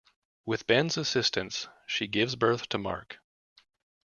With Ben's assistance, she gives birth to Mark.